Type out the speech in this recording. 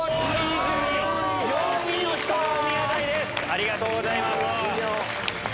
ありがとうございます。